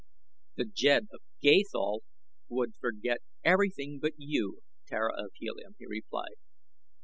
"The Jed of Gathol would forget everything but you, Tara of Helium," he replied.